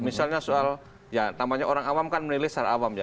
misalnya soal ya namanya orang awam kan menilai secara awam ya